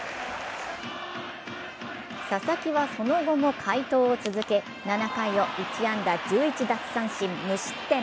佐々木は、その後も快投を続け７回を１安打１１奪三振無失点。